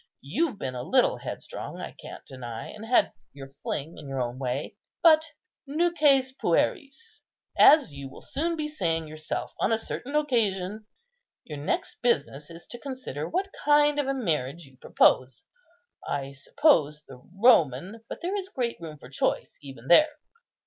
You've been a little headstrong, I can't deny, and had your fling in your own way; but 'nuces pueris,' as you will soon be saying yourself on a certain occasion. Your next business is to consider what kind of a marriage you propose. I suppose the Roman, but there is great room for choice even there."